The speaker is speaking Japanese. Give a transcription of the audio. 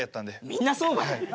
みんなそうばい。